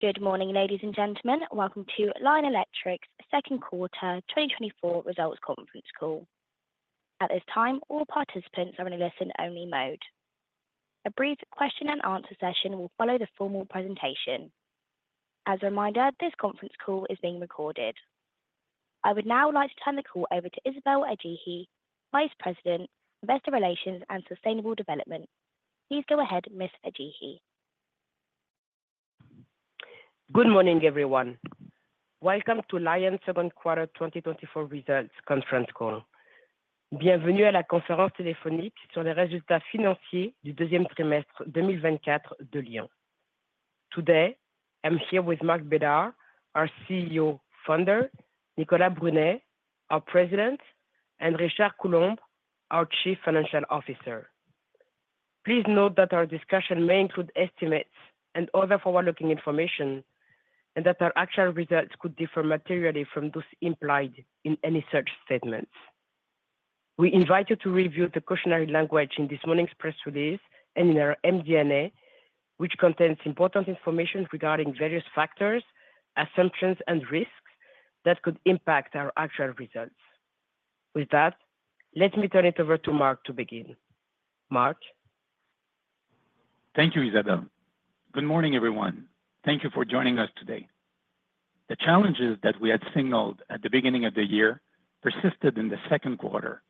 Good morning, ladies and gentlemen. Welcome to Lion Electric's second quarter 2024 results conference call. At this time, all participants are in a listen-only mode. A brief question-and-answer session will follow the formal presentation. As a reminder, this conference call is being recorded. I would now like to turn the call over to Isabelle Adjahi, Vice President, Investor Relations and Sustainable Development. Please go ahead, Ms. Adjahi. Good morning, everyone. Welcome to Lion's second quarter 2024 results conference call. Bienvenue à la conférence téléphonique sur les résultats financiers du deuxième trimestre 2024 de Lion. Today, I'm here with Marc Bédard, our CEO, founder, Nicolas Brunet, our president, and Richard Coulombe, our Chief Financial Officer. Please note that our discussion may include estimates and other forward-looking information, and that our actual results could differ materially from those implied in any search statements. We invite you to review the cautionary language in this morning's press release and in our MD&A, which contains important information regarding various factors, assumptions, and risks that could impact our actual results. With that, let me turn it over to Marc to begin. Marc. Thank you, Isabelle. Good morning, everyone. Thank you for joining us today. The challenges that we had signaled at the beginning of the year persisted in the second quarter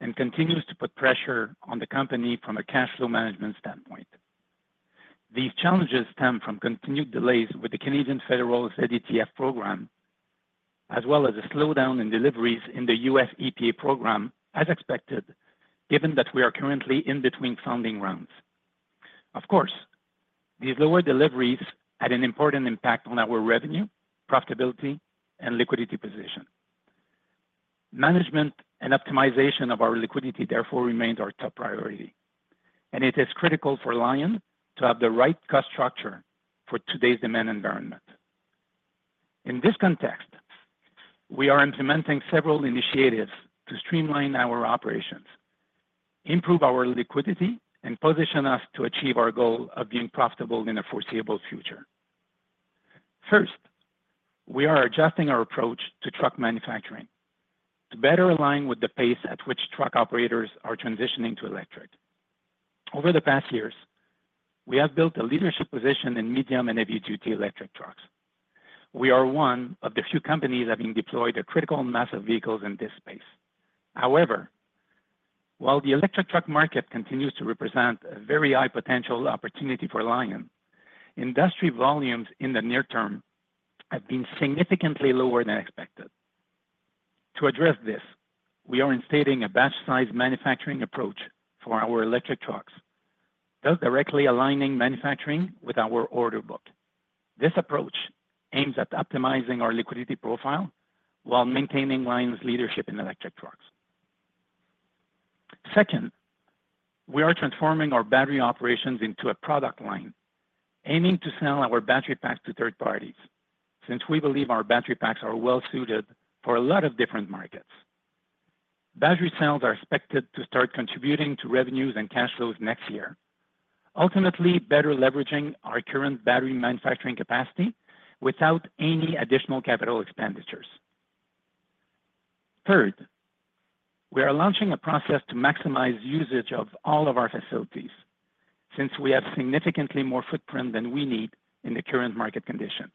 and continue to put pressure on the company from a cash flow management standpoint. These challenges stem from continued delays with the Canadian Federal ZETF program, as well as a slowdown in deliveries in the U.S. EPA program, as expected, given that we are currently in between funding rounds. Of course, these lower deliveries had an important impact on our revenue, profitability, and liquidity position. Management and optimization of our liquidity, therefore, remains our top priority, and it is critical for Lion to have the right cost structure for today's demand environment. In this context, we are implementing several initiatives to streamline our operations, improve our liquidity, and position us to achieve our goal of being profitable in the foreseeable future. First, we are adjusting our approach to truck manufacturing to better align with the pace at which truck operators are transitioning to electric. Over the past years, we have built a leadership position in medium and heavy-duty electric trucks. We are one of the few companies having deployed critical massive vehicles in this space. However, while the electric truck market continues to represent a very high potential opportunity for Lion, industry volumes in the near term have been significantly lower than expected. To address this, we are instituting a batch-sized manufacturing approach for our electric trucks, thus directly aligning manufacturing with our order book. This approach aims at optimizing our liquidity profile while maintaining Lion's leadership in electric trucks. Second, we are transforming our battery operations into a product line, aiming to sell our battery packs to third parties, since we believe our battery packs are well-suited for a lot of different markets. Battery cells are expected to start contributing to revenues and cash flows next year, ultimately better leveraging our current battery manufacturing capacity without any additional capital expenditures. Third, we are launching a process to maximize usage of all of our facilities, since we have significantly more footprint than we need in the current market conditions.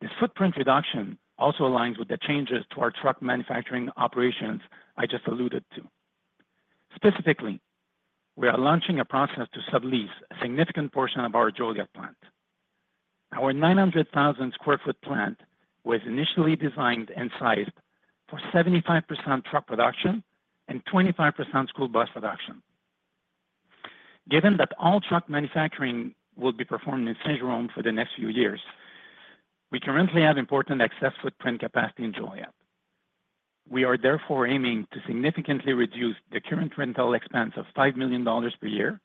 This footprint reduction also aligns with the changes to our truck manufacturing operations I just alluded to. Specifically, we are launching a process to sublease a significant portion of our Mirabel plant. Our 900,000 sq ft plant was initially designed and sized for 75% truck production and 25% school bus production. Given that all truck manufacturing will be performed in Saint-Jérôme for the next few years, we currently have important excess footprint capacity in Joliet. We are therefore aiming to significantly reduce the current rental expense of $5 million per year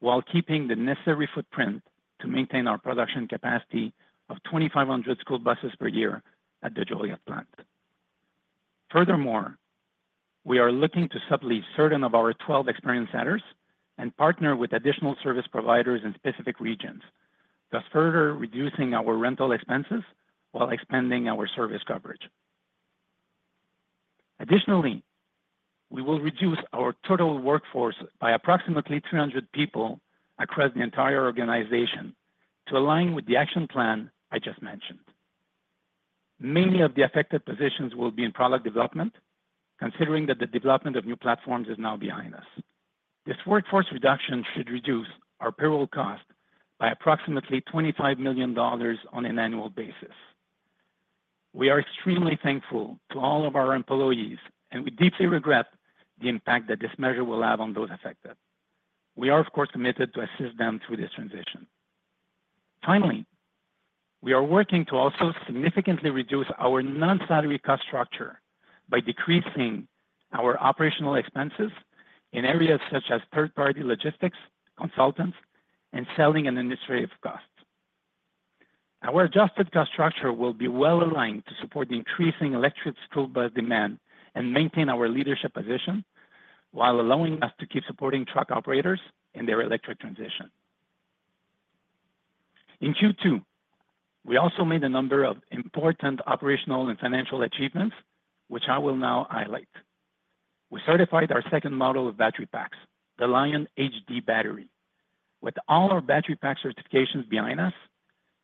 while keeping the necessary footprint to maintain our production capacity of 2,500 school buses per year at the Joliet plant. Furthermore, we are looking to sublease certain of our 12 experienced service centers and partner with additional service providers in specific regions, thus further reducing our rental expenses while expanding our service coverage. Additionally, we will reduce our total workforce by approximately 300 people across the entire organization to align with the action plan I just mentioned. Many of the affected positions will be in product development, considering that the development of new platforms is now behind us. This workforce reduction should reduce our payroll cost by approximately $25 million on an annual basis. We are extremely thankful to all of our employees, and we deeply regret the impact that this measure will have on those affected. We are, of course, committed to assist them through this transition. Finally, we are working to also significantly reduce our non-salary cost structure by decreasing our operational expenses in areas such as third-party logistics, consultants, and selling and administrative costs. Our adjusted cost structure will be well aligned to support the increasing electric school bus demand and maintain our leadership position while allowing us to keep supporting truck operators in their electric transition. In Q2, we also made a number of important operational and financial achievements, which I will now highlight. We certified our second model of battery packs, the Lion HD battery. With all our battery pack certifications behind us,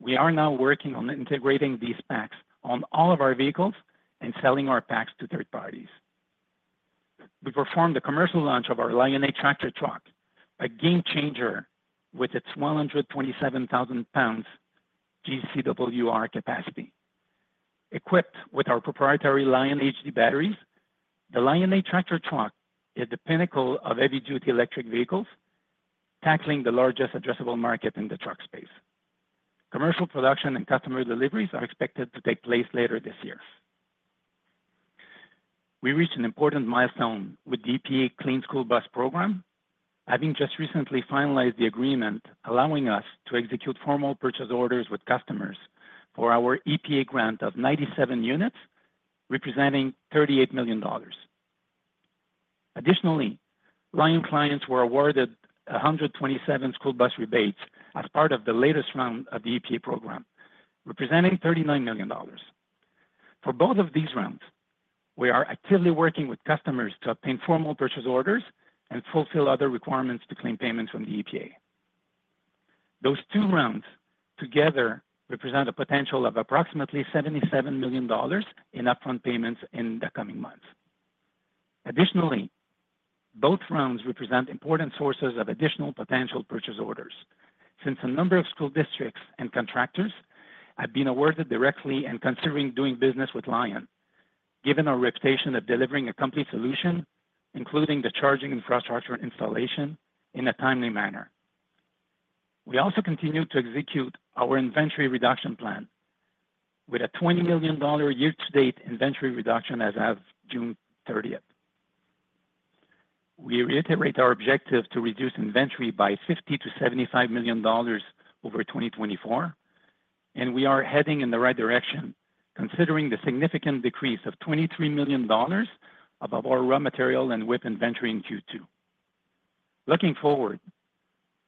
we are now working on integrating these packs on all of our vehicles and selling our packs to third parties. We performed the commercial launch of our Lion 8 Tractor truck, a game changer with its 127,000 pounds GCWR capacity. Equipped with our proprietary LionBattery HD batteries, the Lion 8 Tractor truck is the pinnacle of heavy-duty electric vehicles, tackling the largest addressable market in the truck space. Commercial production and customer deliveries are expected to take place later this year. We reached an important milestone with the EPA Clean School Bus program, having just recently finalized the agreement allowing us to execute formal purchase orders with customers for our EPA grant of 97 units, representing $38 million. Additionally, Lion clients were awarded 127 school bus rebates as part of the latest round of the EPA program, representing $39 million. For both of these rounds, we are actively working with customers to obtain formal purchase orders and fulfill other requirements to claim payments from the EPA. Those two rounds together represent a potential of approximately $77 million in upfront payments in the coming months. Additionally, both rounds represent important sources of additional potential purchase orders, since a number of school districts and contractors have been awarded directly and considering doing business with Lion, given our reputation of delivering a complete solution, including the charging infrastructure installation, in a timely manner. We also continue to execute our inventory reduction plan with a $20 million year-to-date inventory reduction as of June 30th. We reiterate our objective to reduce inventory by $50-$75 million over 2024, and we are heading in the right direction, considering the significant decrease of $23 million above our raw material and WIP inventory in Q2. Looking forward,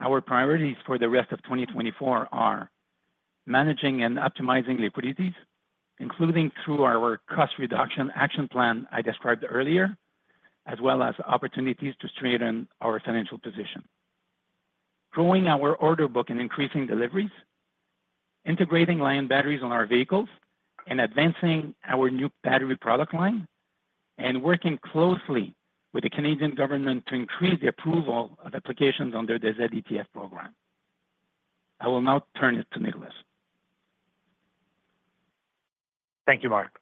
our priorities for the rest of 2024 are managing and optimizing liquidities, including through our cost reduction action plan I described earlier, as well as opportunities to strengthen our financial position. Growing our order book and increasing deliveries, integrating Lion batteries on our vehicles, and advancing our new battery product line, and working closely with the Canadian government to increase the approval of applications under the ZETF program. I will now turn it to Nicolas. Thank you, Marc.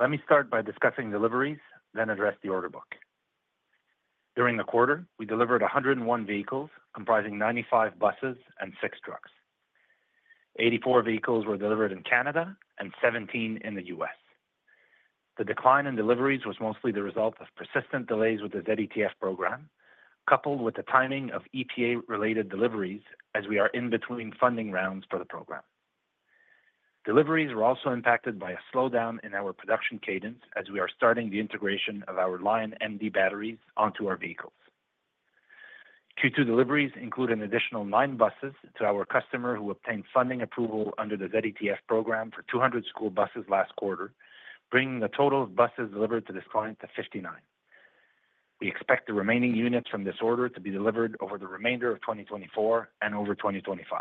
Let me start by discussing deliveries, then address the order book. During the quarter, we delivered 101 vehicles, comprising 95 buses and 6 trucks. 84 vehicles were delivered in Canada and 17 in the U.S. The decline in deliveries was mostly the result of persistent delays with the ZETF program, coupled with the timing of EPA-related deliveries, as we are in between funding rounds for the program. Deliveries were also impacted by a slowdown in our production cadence, as we are starting the integration of our Lion MD batteries onto our vehicles. Q2 deliveries include an additional 9 buses to our customer who obtained funding approval under the ZETF program for 200 school buses last quarter, bringing the total buses delivered to this client to 59. We expect the remaining units from this order to be delivered over the remainder of 2024 and over 2025.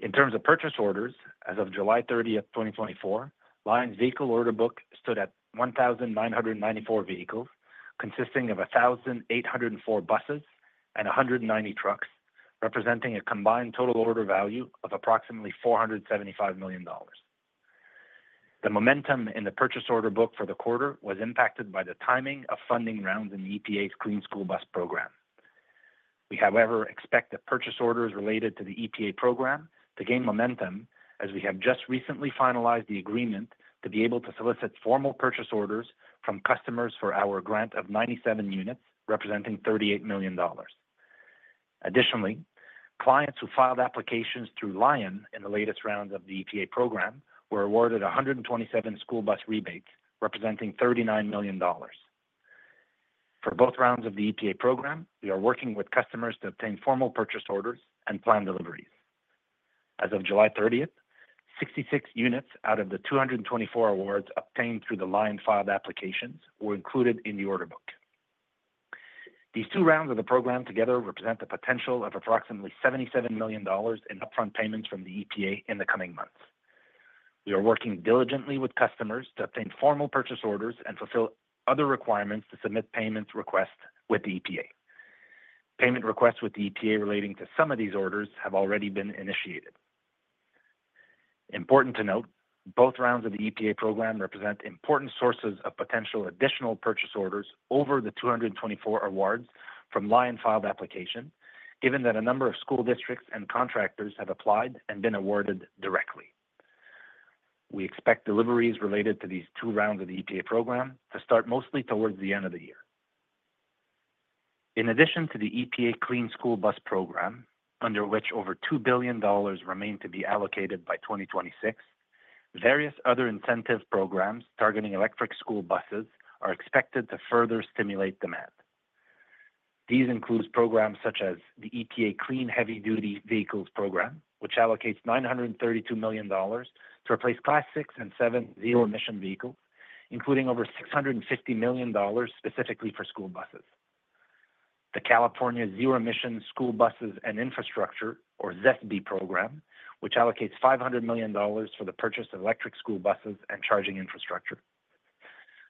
In terms of purchase orders, as of July 30th, 2024, Lion's vehicle order book stood at 1,994 vehicles, consisting of 1,804 buses and 190 trucks, representing a combined total order value of approximately $475 million. The momentum in the purchase order book for the quarter was impacted by the timing of funding rounds in the EPA's Clean School Bus program. We, however, expect the purchase orders related to the EPA program to gain momentum, as we have just recently finalized the agreement to be able to solicit formal purchase orders from customers for our grant of 97 units, representing $38 million. Additionally, clients who filed applications through Lion in the latest rounds of the EPA program were awarded 127 school bus rebates, representing $39 million. For both rounds of the EPA program, we are working with customers to obtain formal purchase orders and plan deliveries. As of July 30th, 66 units out of the 224 awards obtained through the Lion-filed applications were included in the order book. These two rounds of the program together represent the potential of approximately $77 million in upfront payments from the EPA in the coming months. We are working diligently with customers to obtain formal purchase orders and fulfill other requirements to submit payments requests with the EPA. Payment requests with the EPA relating to some of these orders have already been initiated. Important to note, both rounds of the EPA program represent important sources of potential additional purchase orders over the 224 awards from Lion-filed applications, given that a number of school districts and contractors have applied and been awarded directly. We expect deliveries related to these two rounds of the EPA program to start mostly towards the end of the year. In addition to the EPA Clean School Bus program, under which over $2 billion remain to be allocated by 2026, various other incentive programs targeting electric school buses are expected to further stimulate demand. These include programs such as the EPA Clean Heavy-Duty Vehicles program, which allocates $932 million to replace Class 6 and 7 zero-emission vehicles, including over $650 million specifically for school buses. The California Zero-Emission School Buses and Infrastructure, or ZESB program, which allocates $500 million for the purchase of electric school buses and charging infrastructure.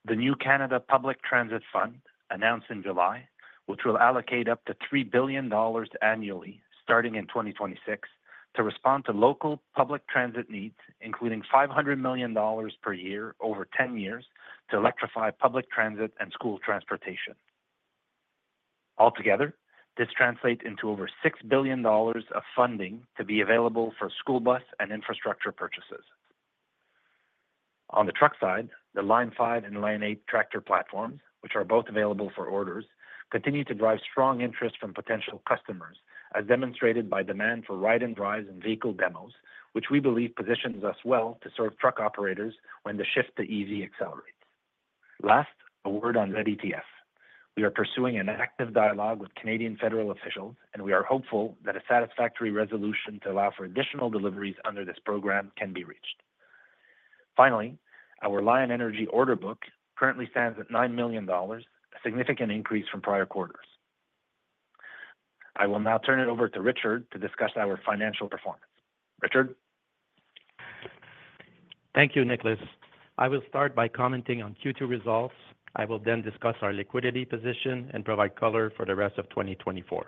The New Canada Public Transit Fund, announced in July, will allocate up to $3 billion annually, starting in 2026, to respond to local public transit needs, including $500 million per year over 10 years to electrify public transit and school transportation. Altogether, this translates into over $6 billion of funding to be available for school bus and infrastructure purchases. On the truck side, the Lion 5 and Lion 8 Tractor platforms, which are both available for orders, continue to drive strong interest from potential customers, as demonstrated by demand for ride-and-drives and vehicle demos, which we believe positions us well to serve truck operators when the shift to EV accelerates. Last, a word on ZETF. We are pursuing an active dialogue with Canadian federal officials, and we are hopeful that a satisfactory resolution to allow for additional deliveries under this program can be reached. Finally, our Lion Energy order book currently stands at $9 million, a significant increase from prior quarters. I will now turn it over to Richard to discuss our financial performance. Richard. Thank you, Nicolas. I will start by commenting on Q2 results. I will then discuss our liquidity position and provide color for the rest of 2024.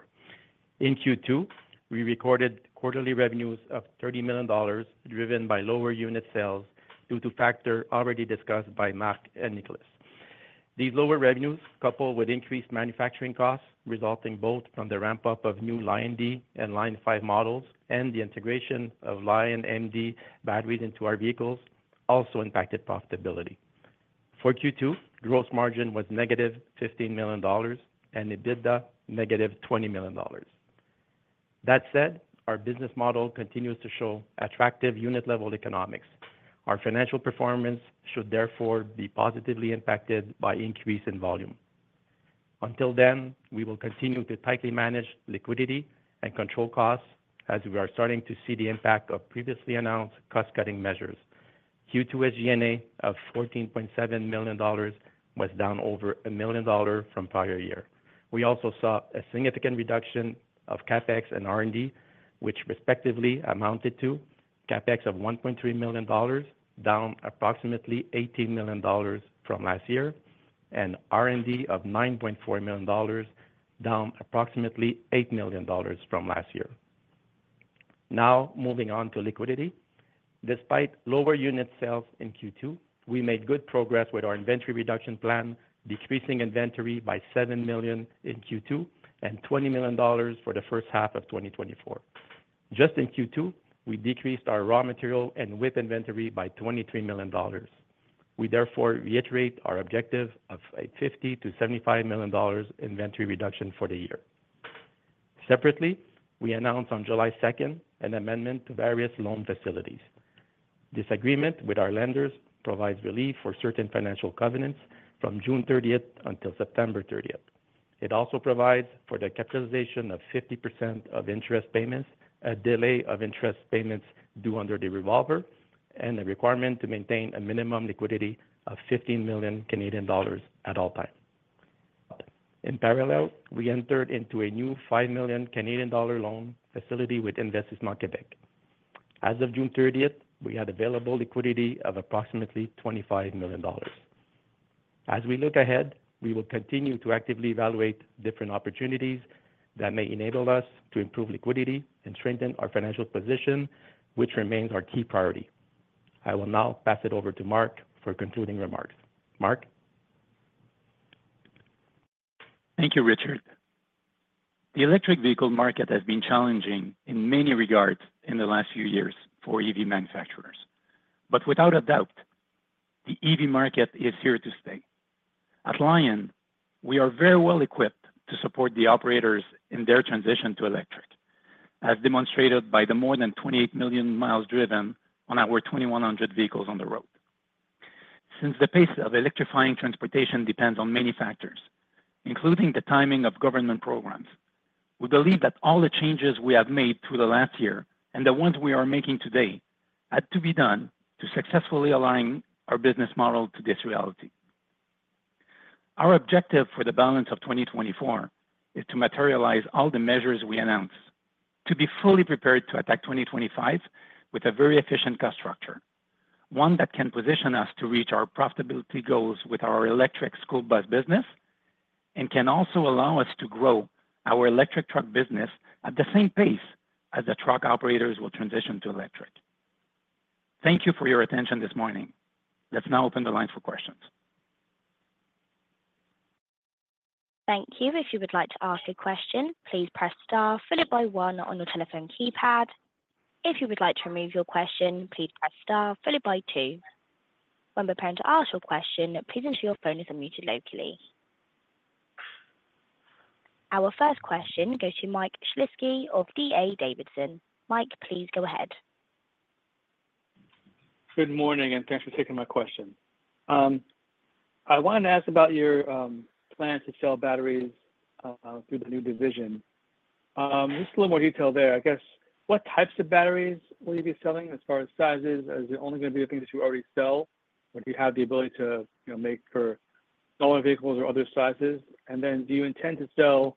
In Q2, we recorded quarterly revenues of $30 million driven by lower unit sales due to factors already discussed by Marc and Nicolas. These lower revenues, coupled with increased manufacturing costs resulting both from the ramp-up of new Lion D and Lion 5 models and the integration of Lion MD batteries into our vehicles, also impacted profitability. For Q2, gross margin was negative $15 million, and EBITDA negative $20 million. That said, our business model continues to show attractive unit-level economics. Our financial performance should therefore be positively impacted by increase in volume. Until then, we will continue to tightly manage liquidity and control costs as we are starting to see the impact of previously announced cost-cutting measures. Q2's G&A of $14.7 million was down over $1 million from prior year. We also saw a significant reduction of CapEx and R&D, which respectively amounted to CapEx of $1.3 million, down approximately $18 million from last year, and R&D of $9.4 million, down approximately $8 million from last year. Now, moving on to liquidity. Despite lower unit sales in Q2, we made good progress with our inventory reduction plan, decreasing inventory by $7 million in Q2 and $20 million for the first half of 2024. Just in Q2, we decreased our raw material and WIP inventory by $23 million. We therefore reiterate our objective of a $50-$75 million inventory reduction for the year. Separately, we announced on July 2nd an amendment to various loan facilities. This agreement with our lenders provides relief for certain financial covenants from June 30th until September 30th. It also provides for the capitalization of 50% of interest payments, a delay of interest payments due under the revolver, and a requirement to maintain a minimum liquidity of 15 million Canadian dollars at all times. In parallel, we entered into a new 5 million Canadian dollar loan facility with Investissement Québec. As of June 30th, we had available liquidity of approximately 25 million dollars. As we look ahead, we will continue to actively evaluate different opportunities that may enable us to improve liquidity and strengthen our financial position, which remains our key priority. I will now pass it over to Marc for concluding remarks. Marc. Thank you, Richard. The electric vehicle market has been challenging in many regards in the last few years for EV manufacturers. Without a doubt, the EV market is here to stay. At Lion, we are very well equipped to support the operators in their transition to electric, as demonstrated by the more than 28 million miles driven on our 2,100 vehicles on the road. Since the pace of electrifying transportation depends on many factors, including the timing of government programs, we believe that all the changes we have made through the last year and the ones we are making today had to be done to successfully align our business model to this reality. Our objective for the balance of 2024 is to materialize all the measures we announced, to be fully prepared to attack 2025 with a very efficient cost structure, one that can position us to reach our profitability goals with our electric school bus business and can also allow us to grow our electric truck business at the same pace as the truck operators will transition to electric. Thank you for your attention this morning. Let's now open the lines for questions. Thank you. If you would like to ask a question, please press Star, followed by 1 on your telephone keypad. If you would like to remove your question, please press Star, followed by 2. When preparing to ask your question, please ensure your phone is unmuted locally. Our first question goes to Mike Shlisky of D.A. Davidson. Mike, please go ahead. Good morning, and thanks for taking my question. I wanted to ask about your plan to sell batteries through the new division. Just a little more detail there. I guess, what types of batteries will you be selling as far as sizes? Is it only going to be the things that you already sell, or do you have the ability to make for smaller vehicles or other sizes? And then, do you intend to sell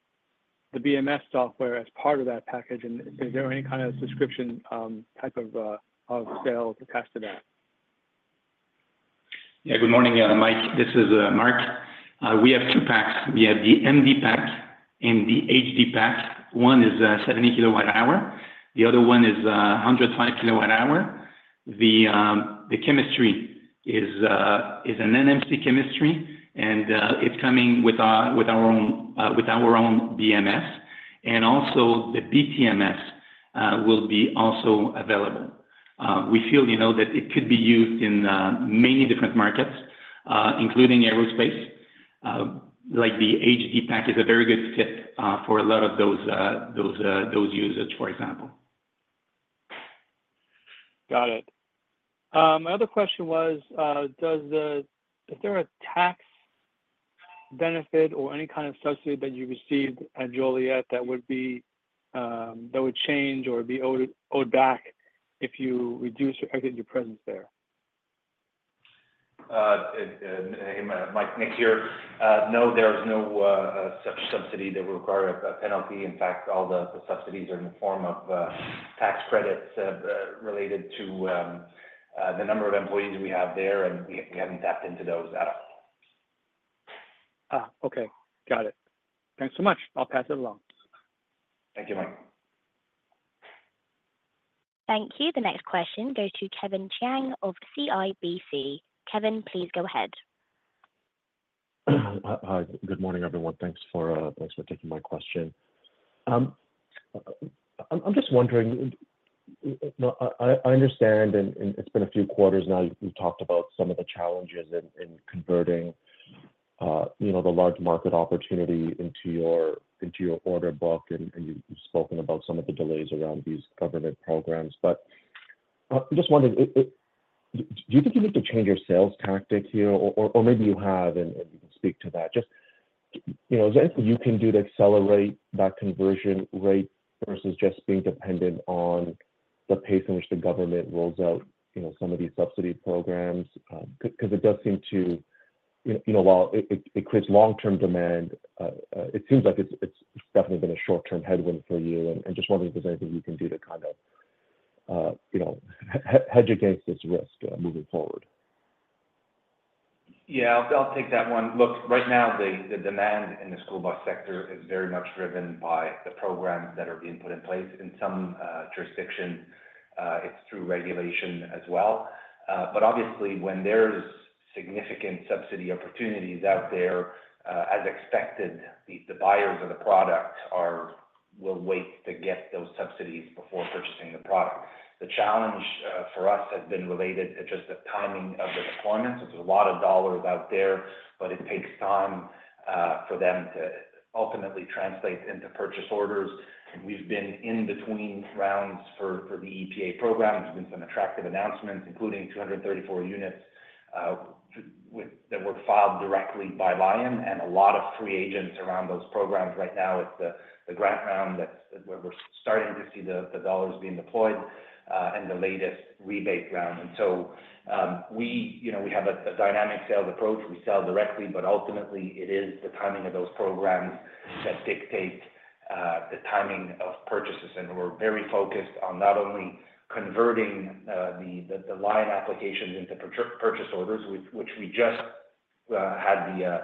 the BMS software as part of that package? And is there any kind of subscription type of sales attached to that? Yeah. Good morning, Mike. This is Marc. We have two packs. We have the MD pack and the HD pack. One is 70 kWh. The other one is 105 kWh. The chemistry is an NMC chemistry, and it's coming with our own BMS. And also, the BTMS will be also available. We feel that it could be used in many different markets, including aerospace. Like the HD pack is a very good fit for a lot of those users, for example. Got it. My other question was, is there a tax benefit or any kind of subsidy that you received at Joliet that would change or be owed back if you reduce or exit your presence there? Hey, Mike, Nick here. No, there is no such subsidy that would require a penalty. In fact, all the subsidies are in the form of tax credits related to the number of employees we have there, and we haven't tapped into those at all. Okay. Got it. Thanks so much. I'll pass it along. Thank you, Mike. Thank you. The next question goes to Kevin Chiang of CIBC. Kevin, please go ahead. Hi. Good morning, everyone. Thanks for taking my question. I'm just wondering, I understand, and it's been a few quarters now, you've talked about some of the challenges in converting the large market opportunity into your order book, and you've spoken about some of the delays around these government programs. But I'm just wondering, do you think you need to change your sales tactic here, or maybe you have, and you can speak to that? Just is there anything you can do to accelerate that conversion rate versus just being dependent on the pace in which the government rolls out some of these subsidy programs? Because it does seem to, while it creates long-term demand, it seems like it's definitely been a short-term headwind for you. And just wondering if there's anything you can do to kind of hedge against this risk moving forward. Yeah, I'll take that one. Look, right now, the demand in the school bus sector is very much driven by the programs that are being put in place. In some jurisdictions, it's through regulation as well. But obviously, when there's significant subsidy opportunities out there, as expected, the buyers of the product will wait to get those subsidies before purchasing the product. The challenge for us has been related to just the timing of the deployments. There's a lot of dollars out there, but it takes time for them to ultimately translate into purchase orders. We've been in between rounds for the EPA program. There's been some attractive announcements, including 234 units that were filed directly by Lion, and a lot of free agents around those programs. Right now, it's the grant round where we're starting to see the dollars being deployed and the latest rebate round. We have a dynamic sales approach. We sell directly, but ultimately, it is the timing of those programs that dictate the timing of purchases. We're very focused on not only converting the Lion applications into purchase orders, which we just had the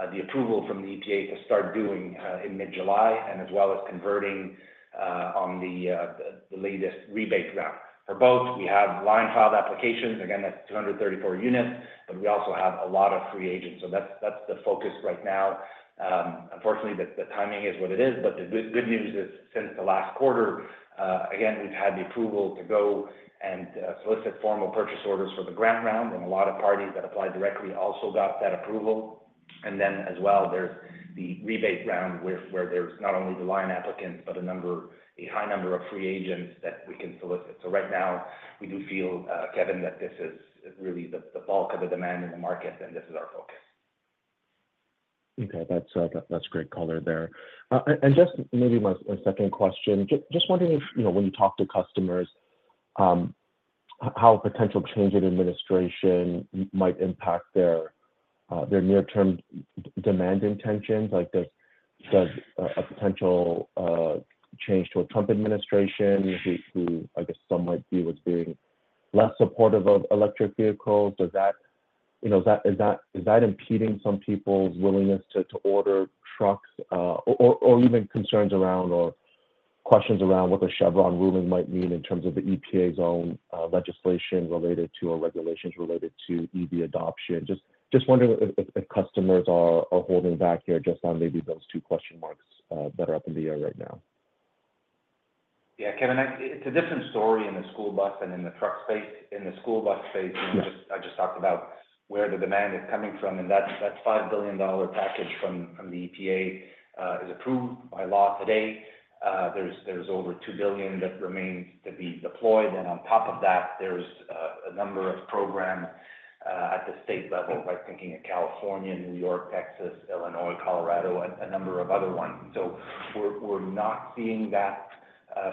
approval from the EPA to start doing in mid-July, and as well as converting on the latest rebate round. For both, we have Lion-filed applications. Again, that's 234 units, but we also have a lot of free agents. That's the focus right now. Unfortunately, the timing is what it is. The good news is, since the last quarter, again, we've had the approval to go and solicit formal purchase orders for the grant round. A lot of parties that apply directly also got that approval. And then, as well, there's the rebate round where there's not only the Lion applicants, but a high number of free agents that we can solicit. So right now, we do feel, Kevin, that this is really the bulk of the demand in the market, and this is our focus. Okay. That's great color there. Just maybe my second question. Just wondering if, when you talk to customers, how a potential change in administration might impact their near-term demand intentions. Like, does a potential change to a Trump administration, who, I guess, some might view as being less supportive of electric vehicles, is that impeding some people's willingness to order trucks? Or even concerns around or questions around what the Chevron ruling might mean in terms of the EPA's own legislation related to or regulations related to EV adoption? Just wondering if customers are holding back here just on maybe those two question marks that are up in the air right now. Yeah, Kevin, it's a different story in the school bus and in the truck space. In the school bus space, I just talked about where the demand is coming from, and that $5 billion package from the EPA is approved by law today. There's over $2 billion that remains to be deployed. And on top of that, there's a number of programs at the state level, right, thinking of California, New York, Texas, Illinois, Colorado, and a number of other ones. So we're not seeing that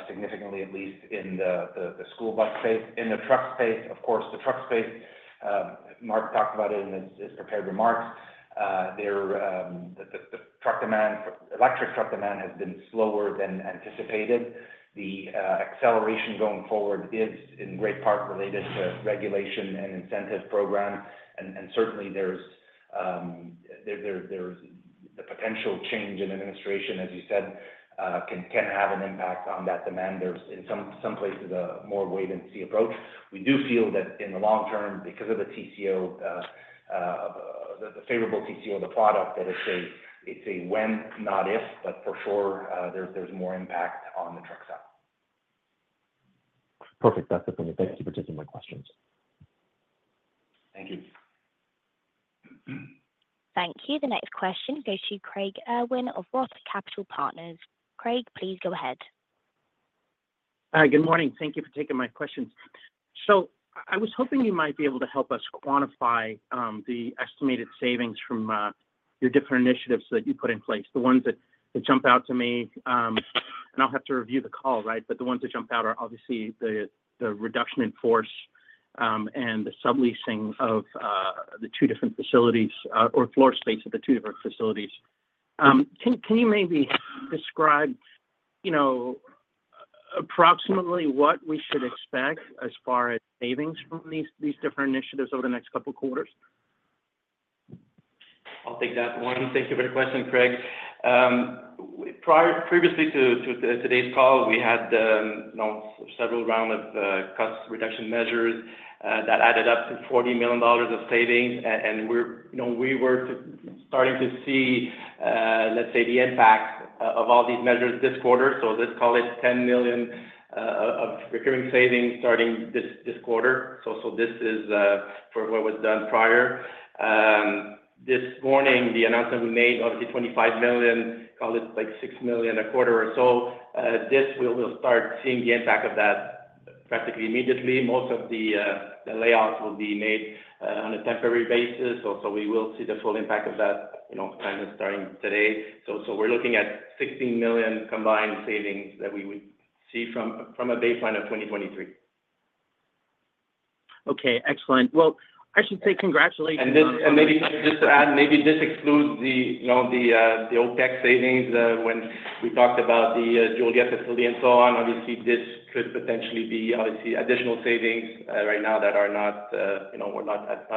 significantly, at least in the school bus space. In the truck space, of course, the truck space, Marc talked about it in his prepared remarks. The truck demand, electric truck demand, has been slower than anticipated. The acceleration going forward is in great part related to regulation and incentive programs. Certainly, the potential change in administration, as you said, can have an impact on that demand. There's, in some places, a more wait-and-see approach. We do feel that in the long term, because of the TCO, the favorable TCO of the product, that it's a when, not if, but for sure there's more impact on the truck side. Perfect. That's it for me. Thank you for taking my questions. Thank you. Thank you. The next question goes to Craig Irwin of ROTH Capital Partners. Craig, please go ahead. Hi. Good morning. Thank you for taking my questions. I was hoping you might be able to help us quantify the estimated savings from your different initiatives that you put in place, the ones that jump out to me. I'll have to review the call, right? The ones that jump out are obviously the reduction in force and the subleasing of the two different facilities or floor space of the two different facilities. Can you maybe describe approximately what we should expect as far as savings from these different initiatives over the next couple of quarters? I'll take that one. Thank you for the question, Craig. Previously to today's call, we had several rounds of cost reduction measures that added up to $40 million of savings. We were starting to see, let's say, the impact of all these measures this quarter. So let's call it $10 million of recurring savings starting this quarter. So this is for what was done prior. This morning, the announcement we made, obviously, $25 million, call it like $6 million a quarter or so. This will start seeing the impact of that practically immediately. Most of the layoffs will be made on a temporary basis. So we will see the full impact of that kind of starting today. So we're looking at $16 million combined savings that we would see from a baseline of 2023. Okay. Excellent. Well, I should say congratulations. Maybe just to add, maybe this excludes the OPEX savings. When we talked about the Joliet facility and so on, obviously, this could potentially be, obviously, additional savings right now that have not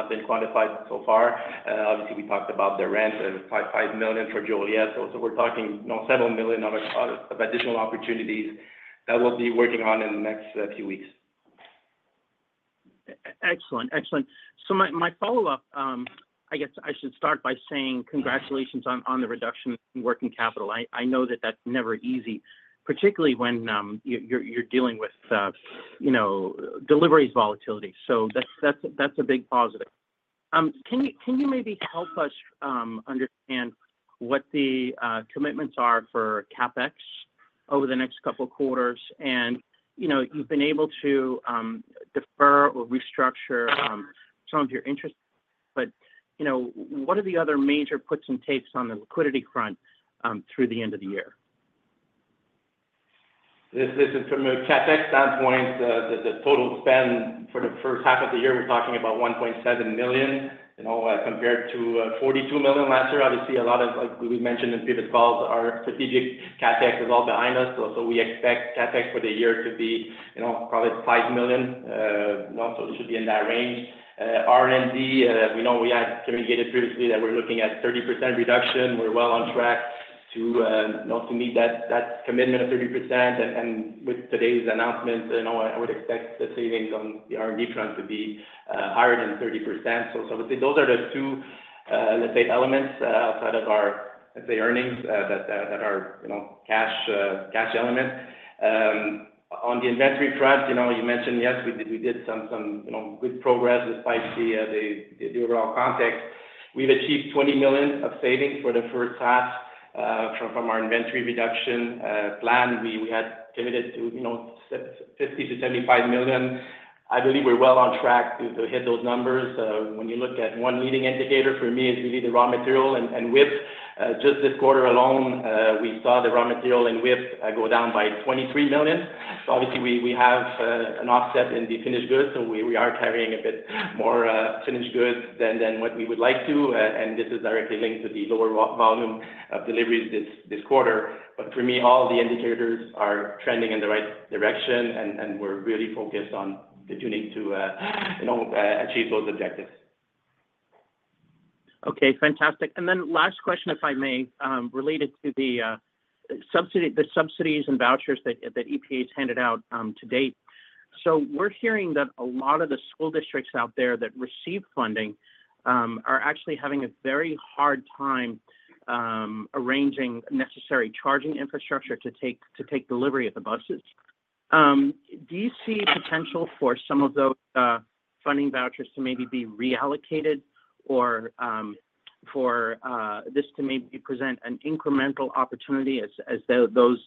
been quantified so far. Obviously, we talked about the rent, $5 million for Joliet. So we're talking several million of additional opportunities that we'll be working on in the next few weeks. Excellent. Excellent. So my follow-up, I guess I should start by saying congratulations on the reduction in working capital. I know that that's never easy, particularly when you're dealing with deliveries volatility. So that's a big positive. Can you maybe help us understand what the commitments are for CapEx over the next couple of quarters? And you've been able to defer or restructure some of your interests. But what are the other major puts and takes on the liquidity front through the end of the year? This is from a CapEx standpoint. The total spend for the first half of the year, we're talking about $1.7 million compared to $42 million last year. Obviously, a lot of, like we mentioned in previous calls, our strategic CapEx is all behind us. So we expect CapEx for the year to be probably $5 million. So it should be in that range. R&D, we had communicated previously that we're looking at a 30% reduction. We're well on track to meet that commitment of 30%. And with today's announcement, I would expect the savings on the R&D front to be higher than 30%. So I would say those are the two, let's say, elements outside of our, let's say, earnings that are cash elements. On the inventory front, you mentioned, yes, we did some good progress despite the overall context. We've achieved $20 million of savings for the first half from our inventory reduction plan. We had committed to $50-$75 million. I believe we're well on track to hit those numbers. When you look at one leading indicator for me, it's really the raw material and WIP. Just this quarter alone, we saw the raw material and WIP go down by $23 million. So obviously, we have an offset in the finished goods. So we are carrying a bit more finished goods than what we would like to. And this is directly linked to the lower volume of deliveries this quarter. But for me, all the indicators are trending in the right direction, and we're really focused on continuing to achieve those objectives. Okay. Fantastic. And then last question, if I may, related to the subsidies and vouchers that EPA has handed out to date. So we're hearing that a lot of the school districts out there that receive funding are actually having a very hard time arranging necessary charging infrastructure to take delivery of the buses. Do you see potential for some of those funding vouchers to maybe be reallocated or for this to maybe present an incremental opportunity as those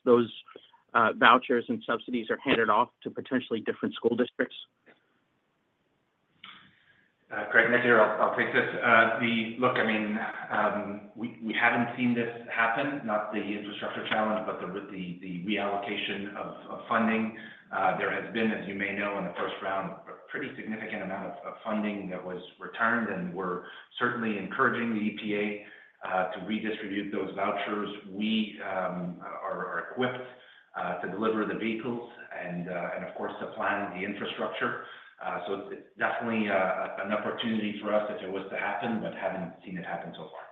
vouchers and subsidies are handed off to potentially different school districts? Craig, next year, I'll take this. Look, I mean, we haven't seen this happen, not the infrastructure challenge, but the reallocation of funding. There has been, as you may know, in the first round, a pretty significant amount of funding that was returned, and we're certainly encouraging the EPA to redistribute those vouchers. We are equipped to deliver the vehicles and, of course, to plan the infrastructure. So it's definitely an opportunity for us if it was to happen, but haven't seen it happen so far.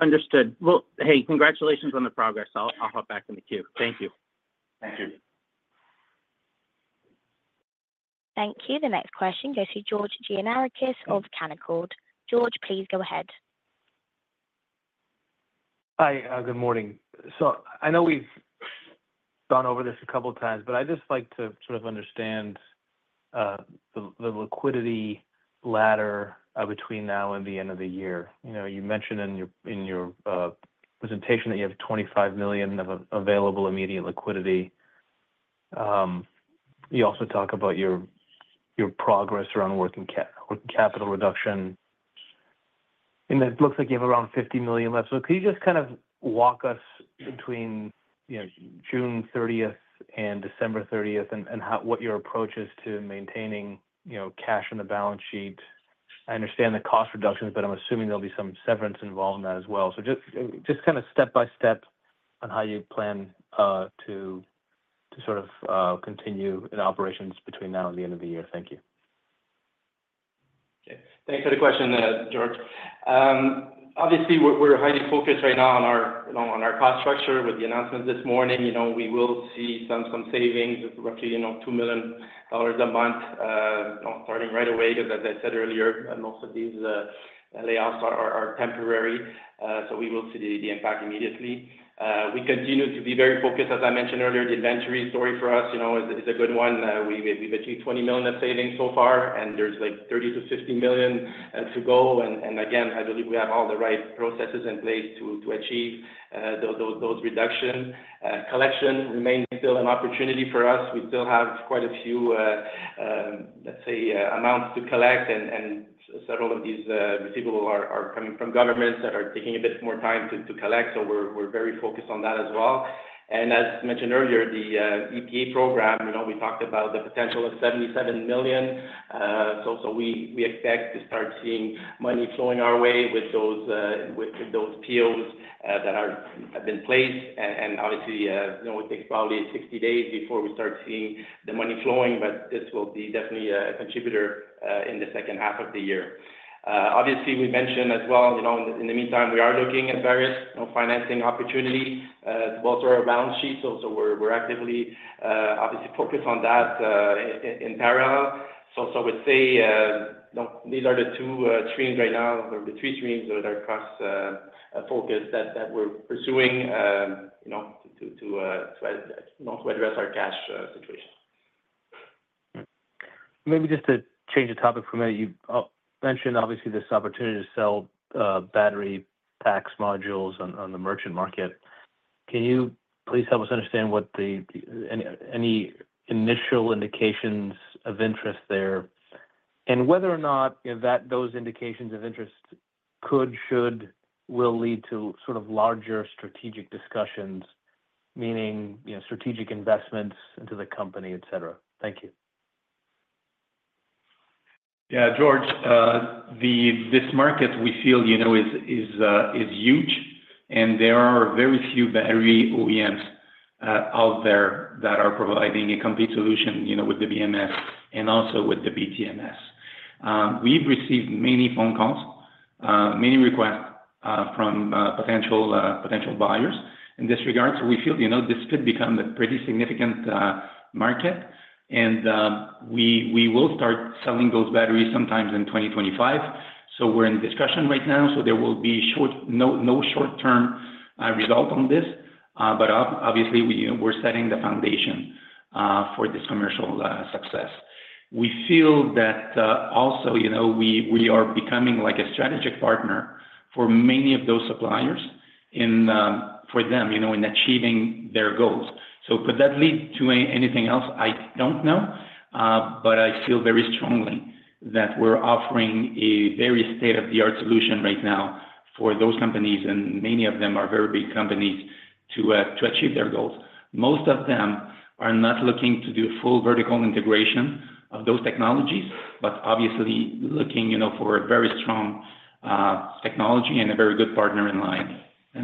Understood. Well, hey, congratulations on the progress. I'll hop back in the queue. Thank you. Thank you. Thank you. The next question goes to George Gianarikas of Canaccord. George, please go ahead. Hi. Good morning. So I know we've gone over this a couple of times, but I'd just like to sort of understand the liquidity ladder between now and the end of the year. You mentioned in your presentation that you have $25 million of available immediate liquidity. You also talk about your progress around working capital reduction. And it looks like you have around $50 million left. So could you just kind of walk us between June 30th and December 30th and what your approach is to maintaining cash on the balance sheet? I understand the cost reductions, but I'm assuming there'll be some severance involved in that as well. So just kind of step by step on how you plan to sort of continue in operations between now and the end of the year. Thank you. Okay. Thanks for the question, George. Obviously, we're highly focused right now on our cost structure with the announcement this morning. We will see some savings, roughly $2 million a month starting right away because, as I said earlier, most of these layoffs are temporary. So we will see the impact immediately. We continue to be very focused, as I mentioned earlier. The inventory story for us is a good one. We've achieved $20 million of savings so far, and there's like $30-$50 million to go. And again, I believe we have all the right processes in place to achieve those reductions. Collection remains still an opportunity for us. We still have quite a few, let's say, amounts to collect, and several of these receivables are coming from governments that are taking a bit more time to collect. So we're very focused on that as well. As mentioned earlier, the EPA program, we talked about the potential of $77 million. So we expect to start seeing money flowing our way with those POs that have been placed. And obviously, it takes probably 60 days before we start seeing the money flowing, but this will be definitely a contributor in the second half of the year. Obviously, we mentioned as well, in the meantime, we are looking at various financing opportunities to bolster our balance sheet. So we're actively, obviously, focused on that in parallel. So I would say these are the two streams right now, or the three streams that are cost-focused that we're pursuing to address our cash situation. Maybe just to change the topic for a minute, you mentioned, obviously, this opportunity to sell battery packs modules on the merchant market. Can you please help us understand what any initial indications of interest there and whether or not those indications of interest could, should, will lead to sort of larger strategic discussions, meaning strategic investments into the company, etc.? Thank you. Yeah. George, this market, we feel, is huge, and there are very few battery OEMs out there that are providing a complete solution with the BMS and also with the BTMS. We've received many phone calls, many requests from potential buyers in this regard. So we feel this could become a pretty significant market. And we will start selling those batteries sometime in 2025. So we're in discussion right now. So there will be no short-term result on this. But obviously, we're setting the foundation for this commercial success. We feel that also we are becoming like a strategic partner for many of those suppliers for them in achieving their goals. So could that lead to anything else? I don't know. But I feel very strongly that we're offering a very state-of-the-art solution right now for those companies. And many of them are very big companies to achieve their goals. Most of them are not looking to do full vertical integration of those technologies, but obviously looking for a very strong technology and a very good partner in line.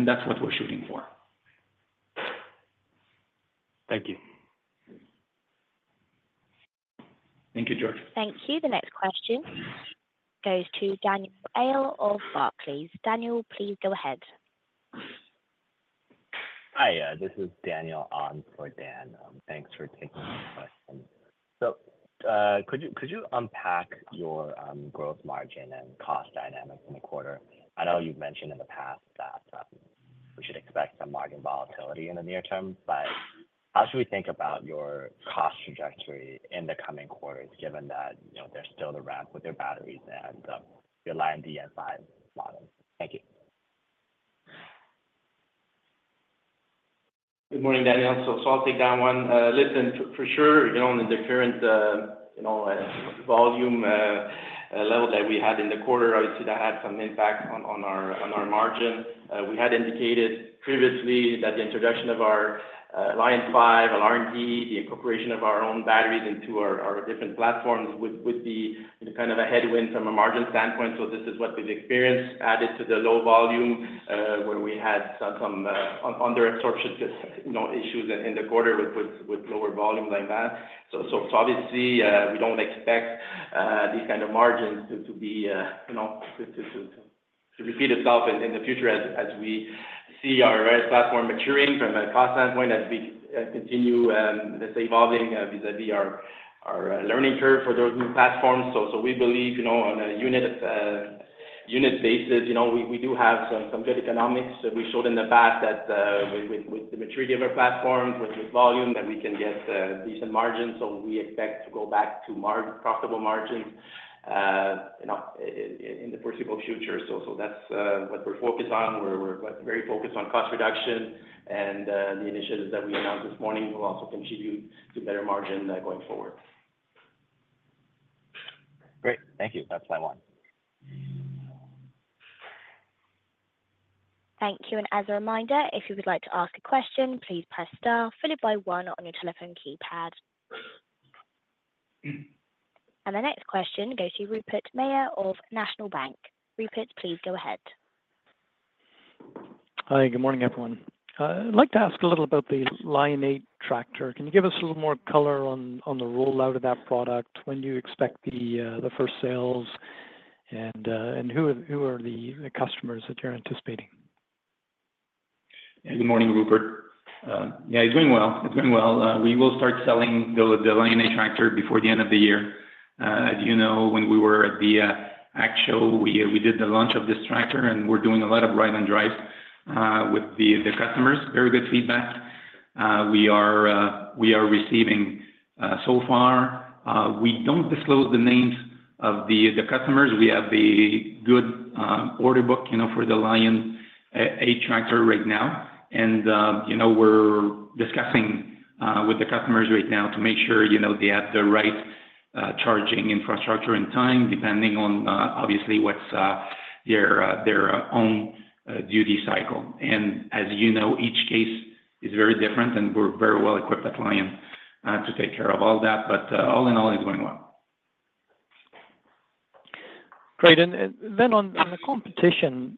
That's what we're shooting for. Thank you. Thank you, George. Thank you. The next question goes to Daniel Allen of Barclays. Daniel, please go ahead. Hi. This is Daniel on for Dan. Thanks for taking the question. So could you unpack your gross margin and cost dynamics in the quarter? I know you've mentioned in the past that we should expect some margin volatility in the near term, but how should we think about your cost trajectory in the coming quarters given that they're still the ramp with their batteries and the Lion D and Lion 5 model? Thank you. Good morning, Daniel. So I'll take that one. Listen, for sure, on the current volume level that we had in the quarter, obviously, that had some impact on our margin. We had indicated previously that the introduction of our Lion 5, our R&D, the incorporation of our own batteries into our different platforms would be kind of a headwind from a margin standpoint. So this is what we've experienced, added to the low volume where we had some under-absorption issues in the quarter with lower volume like that. So obviously, we don't expect these kinds of margins to repeat itself in the future as we see our platform maturing from a cost standpoint as we continue, let's say, evolving vis-à-vis our learning curve for those new platforms. So we believe on a unit basis, we do have some good economics. We showed in the past that with the maturity of our platforms, with volume, that we can get decent margins. So we expect to go back to profitable margins in the foreseeable future. So that's what we're focused on. We're very focused on cost reduction, and the initiatives that we announced this morning will also contribute to better margin going forward. Great. Thank you. That's my one. Thank you. As a reminder, if you would like to ask a question, please press star followed by one on your telephone keypad. The next question goes to Rupert Merer of National Bank. Rupert, please go ahead. Hi. Good morning, everyone. I'd like to ask a little about the Lion 8 Tractor. Can you give us a little more color on the rollout of that product? When do you expect the first sales, and who are the customers that you're anticipating? Good morning, Rupert. Yeah, he's doing well. He's doing well. We will start selling the Lion 8 Tractor before the end of the year. As you know, when we were at the ACT show, we did the launch of this tractor, and we're doing a lot of ride-on drives with the customers. Very good feedback we are receiving so far. We don't disclose the names of the customers. We have the good order book for the Lion 8 Tractor right now. And we're discussing with the customers right now to make sure they have the right charging infrastructure in time, depending on, obviously, what's their own duty cycle. And as you know, each case is very different, and we're very well equipped at Lion to take care of all that. But all in all, it's going well. Great. And then on the competition,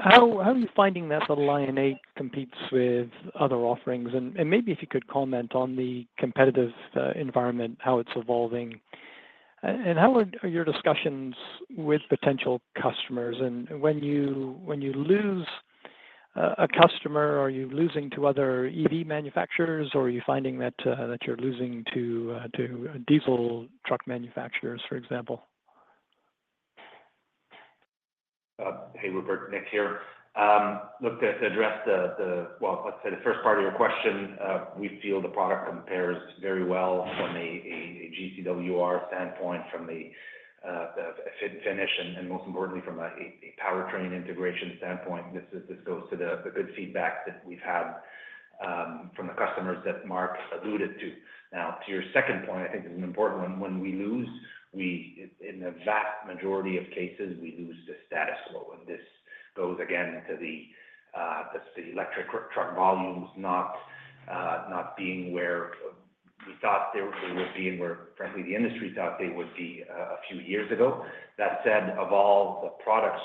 how are you finding that the Lion 8 competes with other offerings? And maybe if you could comment on the competitive environment, how it's evolving. And how are your discussions with potential customers? And when you lose a customer, are you losing to other EV manufacturers, or are you finding that you're losing to diesel truck manufacturers, for example? Hey, Rupert. Nick here. Look, to address the, well, let's say, the first part of your question, we feel the product compares very well from a GCWR standpoint, from the fit and finish, and most importantly, from a powertrain integration standpoint. This goes to the good feedback that we've had from the customers that Mark alluded to. Now, to your second point, I think it's an important one. When we lose, in the vast majority of cases, we lose the status quo. And this goes again to the electric truck volumes not being where we thought they would be and where, frankly, the industry thought they would be a few years ago. That said, of all the product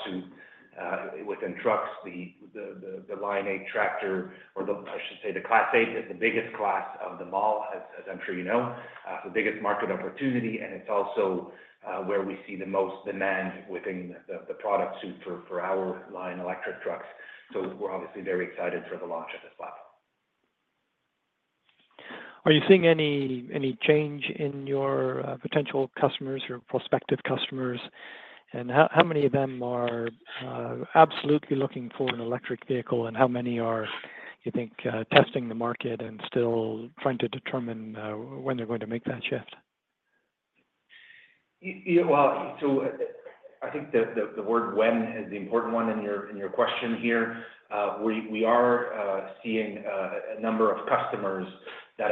suite within trucks, the Lion 8 tractor, or I should say the Class 8, is the biggest class of them all, as I'm sure you know. It's the biggest market opportunity, and it's also where we see the most demand within the product suite for our Lion electric trucks. So we're obviously very excited for the launch of this platform. Are you seeing any change in your potential customers or prospective customers? And how many of them are absolutely looking for an electric vehicle, and how many are, you think, testing the market and still trying to determine when they're going to make that shift? Well, so I think the word when is the important one in your question here. We are seeing a number of customers that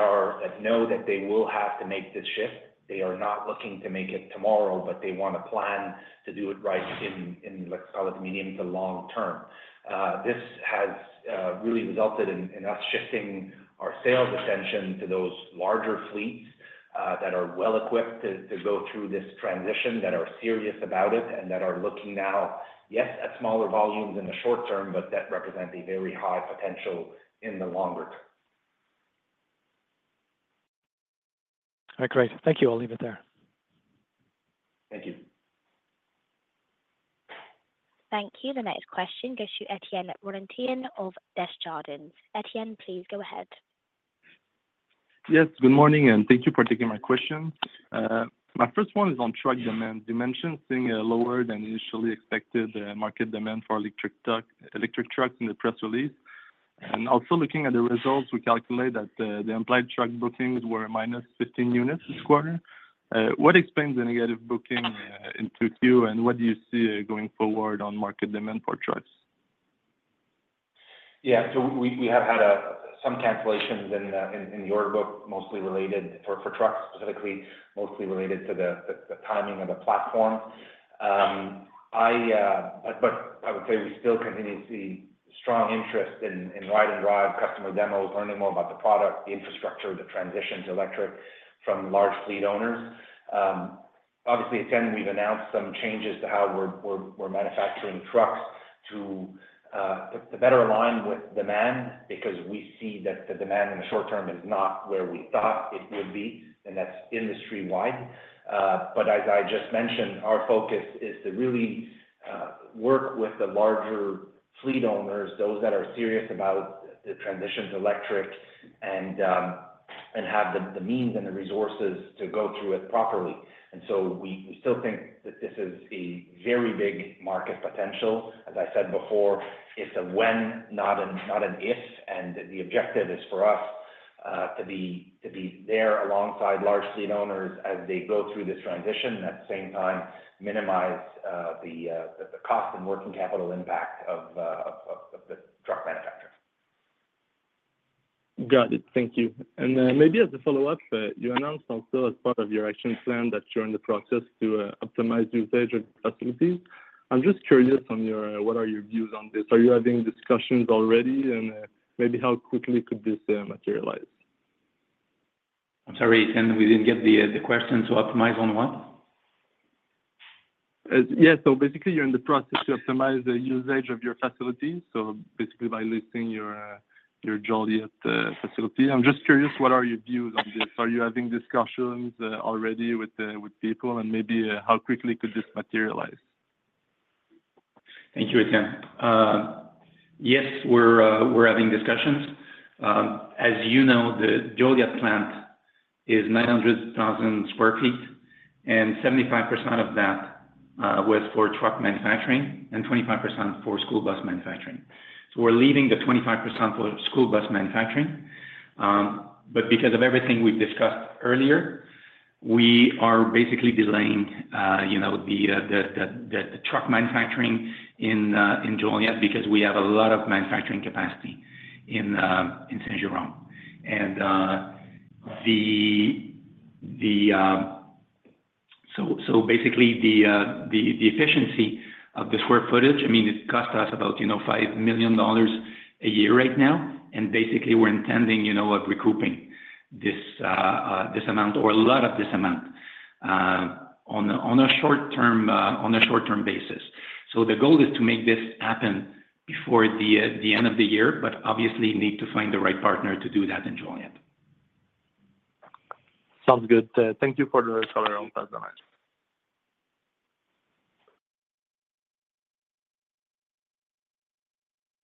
know that they will have to make this shift. They are not looking to make it tomorrow, but they want to plan to do it right in, let's call it, the medium to long term. This has really resulted in us shifting our sales attention to those larger fleets that are well equipped to go through this transition, that are serious about it, and that are looking now, yes, at smaller volumes in the short term, but that represent a very high potential in the longer term. All right. Great. Thank you. I'll leave it there. Thank you. Thank you. The next question goes to Étienne Larochelle of Desjardins. Etienne, please go ahead. Yes. Good morning, and thank you for taking my question. My first one is on truck demand. You mentioned seeing a lower than initially expected market demand for electric trucks in the press release. And also looking at the results, we calculate that the implied truck bookings were minus 15 units this quarter. What explains the negative booking into Q, and what do you see going forward on market demand for trucks? Yeah. So we have had some cancellations in the order book, mostly related for trucks, specifically mostly related to the timing of the platform. But I would say we still continue to see strong interest in ride-and-drive customer demos, learning more about the product, the infrastructure, the transition to electric from large fleet owners. Obviously, again, we've announced some changes to how we're manufacturing trucks to better align with demand because we see that the demand in the short term is not where we thought it would be, and that's industry-wide. But as I just mentioned, our focus is to really work with the larger fleet owners, those that are serious about the transition to electric and have the means and the resources to go through it properly. And so we still think that this is a very big market potential. As I said before, it's a when, not an if. The objective is for us to be there alongside large fleet owners as they go through this transition and at the same time minimize the cost and working capital impact of the truck manufacturer. Got it. Thank you. Maybe as a follow-up, you announced also as part of your action plan that you're in the process to optimize usage of the facilities. I'm just curious on what are your views on this. Are you having discussions already, and maybe how quickly could this materialize? I'm sorry, Etienne, we didn't get the question. To optimize on what? Yes. So basically, you're in the process to optimize the usage of your facilities, so basically by listing your Joliet facility. I'm just curious, what are your views on this? Are you having discussions already with people, and maybe how quickly could this materialize? Thank you, Etienne. Yes, we're having discussions. As you know, the Joliet plant is 900,000 sq ft, and 75% of that was for truck manufacturing and 25% for school bus manufacturing. So we're leaving the 25% for school bus manufacturing. But because of everything we've discussed earlier, we are basically delaying the truck manufacturing in Joliet because we have a lot of manufacturing capacity in Saint-Jérôme. And so basically, the efficiency of the square footage, I mean, it costs us about $5 million a year right now. And basically, we're intending of recouping this amount or a lot of this amount on a short-term basis. So the goal is to make this happen before the end of the year, but obviously, need to find the right partner to do that in Joliet. Sounds good. Thank you for the color on that.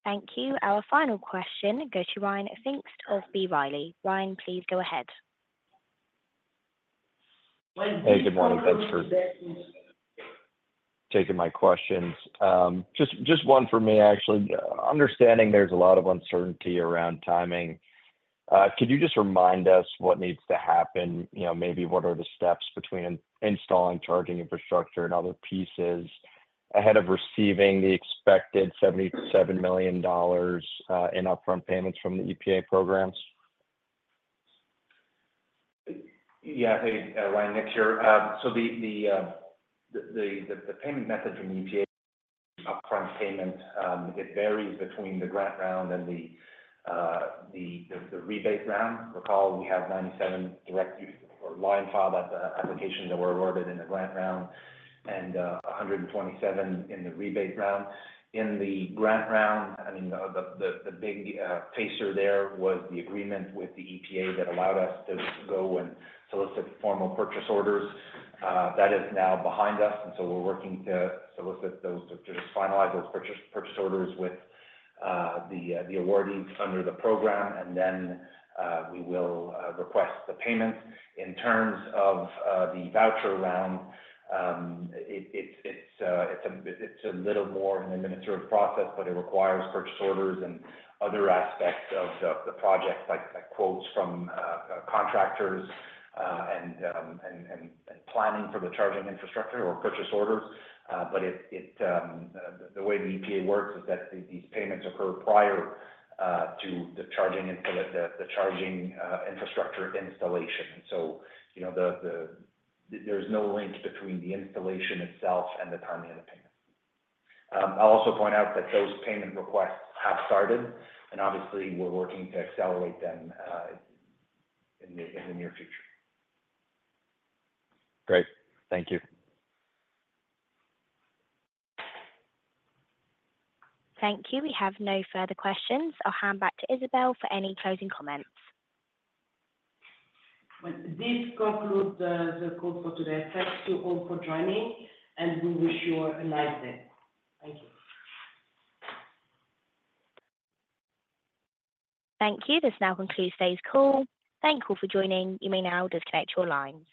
Thank you. Our final question goes to Ryan Pfingst of B. Riley. Ryan, please go ahead. Hey, good morning. Thanks for taking my questions. Just one for me, actually. Understanding there's a lot of uncertainty around timing, could you just remind us what needs to happen? Maybe what are the steps between installing charging infrastructure and other pieces ahead of receiving the expected $77 million in upfront payments from the EPA programs? Yeah. Hey, Ryan, Nick here. So the payment method from the EPA upfront payment, it varies between the grant round and the rebate round. Recall, we have 97 direct or Lion file applications that were awarded in the grant round and 127 in the rebate round. In the grant round, I mean, the big piece there was the agreement with the EPA that allowed us to go and solicit formal purchase orders. That is now behind us. And so we're working to solicit those to just finalize those purchase orders with the awardees under the program, and then we will request the payments. In terms of the voucher round, it's a little more of an administrative process, but it requires purchase orders and other aspects of the project, like quotes from contractors and planning for the charging infrastructure or purchase orders. The way the EPA works is that these payments occur prior to the charging infrastructure installation. So there's no link between the installation itself and the timing of the payments. I'll also point out that those payment requests have started, and obviously, we're working to accelerate them in the near future. Great. Thank you. Thank you. We have no further questions. I'll hand back to Isabelle for any closing comments. This concludes the call for today. Thank you all for joining, and we wish you a nice day. Thank you. Thank you. This now concludes today's call. Thank you all for joining. You may now disconnect your lines.